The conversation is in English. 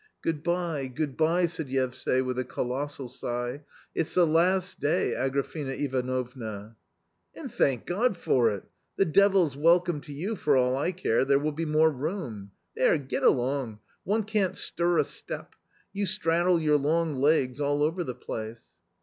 " Good bye, good bye," said Yevsay, with a colossal sigh, "it's the last day, Agrafena Ivanovna !" "And thank God for it! The devil's welcome to you for all I care, there will be more room. There — get along, one can't stir a step ; you straddle your long legs all over the place